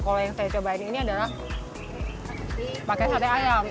kalau yang saya cobain ini adalah pakai sate ayam